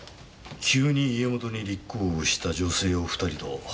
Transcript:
急に家元に立候補した女性お２人と。